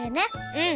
うん。